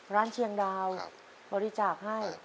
เชียงดาวบริจาคให้